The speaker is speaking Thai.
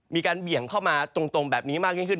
เบี่ยงเข้ามาตรงแบบนี้มากยิ่งขึ้น